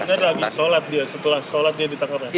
apak temennya lagi sholat dia setelah sholat dia ditangkap ya